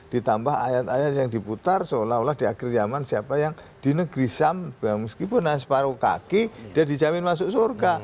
ditambah ayat ayat yang diputar seolah olah di akhir zaman siapa yang di negeri sam meskipun separuh kaki dia dijamin masuk surga